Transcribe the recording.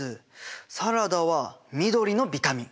サラダは緑のビタミン。